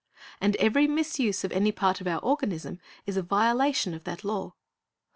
And every misuse of any part of our organism is a violation of that law.